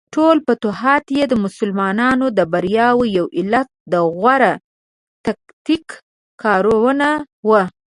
ټولو فتوحاتو کې د مسلمانانو د بریاوو یو علت د غوره تکتیک کارونه وه.